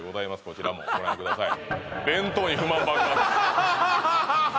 こちらもご覧ください